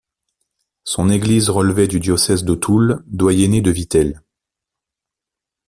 Son église relevait du diocèse de Toul, doyenné de Vittel.